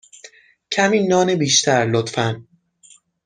کمی نان بیشتر، لطفا.